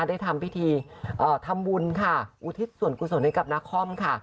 ได้ทำพิธีทำบุญค่ะอุทิศสวรรคุณสวรรค์ในกับนาคอมค่ะ